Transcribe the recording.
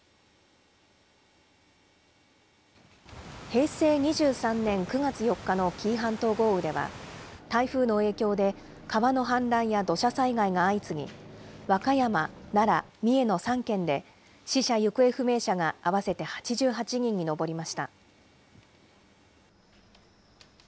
平成２３年９月４日の紀伊半島豪雨では、台風の影響で、川の氾濫や土砂災害が相次ぎ、和歌山、奈良、三重の３県で死者・行方不明者が合わせて８８人に上りました。